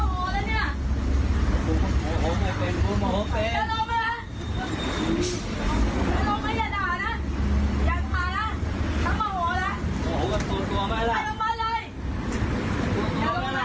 ขนูขนิยายดูนี่น่ามาหัวไหม